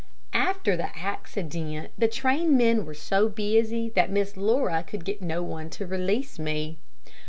After the accident, the trainmen were so busy that Miss Laura could get no one to release me.